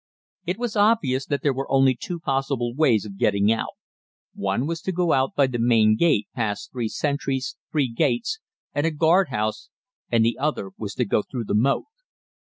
It was obvious that there were only two possible ways of getting out: one was to go out by the main gate past three sentries, three gates, and a guardhouse and the other was to go through the moat.